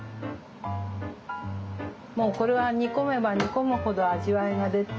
もうこれは煮込めば煮込むほど味わいが出て。